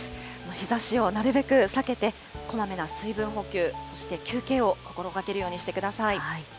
日ざしをなるべく避けて、こまめな水分補給、そして休憩を心がけるようにしてください。